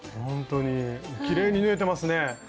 ほんとにきれいに縫えてますね。